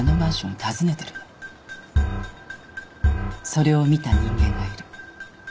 それを見た人間がいる。